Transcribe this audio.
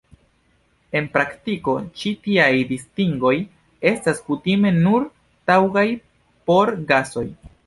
En praktiko, ĉi tiaj distingoj estas kutime nur taŭgaj por gasoj.